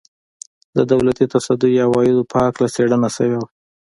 د دولتي تصدیو عوایدو په هکله څېړنه شوې وه.